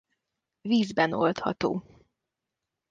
Vízben oldható.